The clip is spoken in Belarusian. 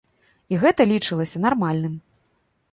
І гэта лічылася нармальным.